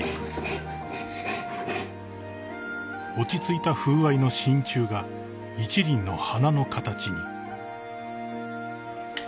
［落ち着いた風合いの真ちゅうが一輪の花の形に］